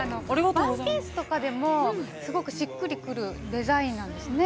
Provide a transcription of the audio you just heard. ワンピースとかでもすごくしっくりくるデザインなんですね。